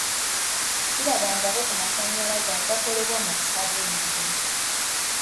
Sirabangako ku masannyalaze agakolebwa mu busa bw'ente.